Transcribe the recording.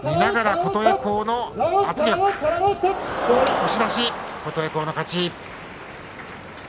押し出し、琴恵光の勝ち。